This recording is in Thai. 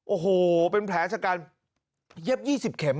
โอ้โหเป็นแผลชะกันเย็บ๒๐เข็ม